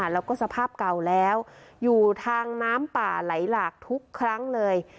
แล้วก็สภาพเก่าแล้วอยู่ทางน้ำป่าไหลหลากทุกครั้งเลย